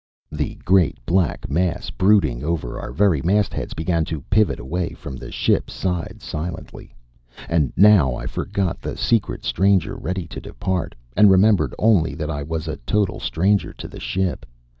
The great black mass brooding over our very mastheads began to pivot away from the ship's side silently. And now I forgot the secret stranger ready to depart, and remembered only that I was a total stranger to the ship.